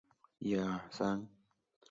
丈夫是棒球选手堂林翔太。